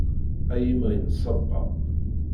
Ay imɣi n ṣṣaba.